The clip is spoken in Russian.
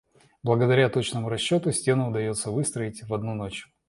Благодаря точному расчёту, стену удаётся выстроить в одну ночь.